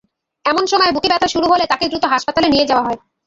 এমন সময় বুকে ব্যথা শুরু হলে তাঁকে দ্রুত হাসপাতালে নিয়ে যাওয়া হয়।